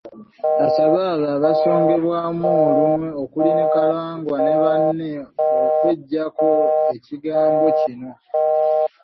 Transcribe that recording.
Asabye abo abasongebwamu olunwe okuli Kalangwa ne banne okweggyako ekigambo kino.